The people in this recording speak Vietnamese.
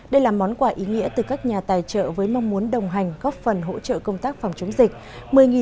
đây là món quà ý nghĩa từ các nhà tài trợ với mong muốn đồng hành góp phần hỗ trợ công tác phòng chống dịch